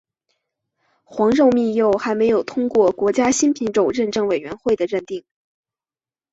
黄肉蜜柚还没有通过国家新品种认定委员会认定。